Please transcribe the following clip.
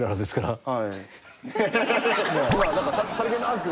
今何かさりげなく。